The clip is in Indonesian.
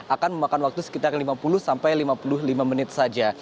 akan memakan waktu sekitar lima puluh sampai lima puluh lima menit saja